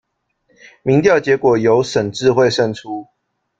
民调结果由沈智慧胜出。